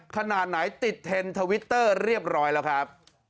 ขนาดไหนติดเทรนด์ทวิตเตอร์เรียบร้อยแล้วครับ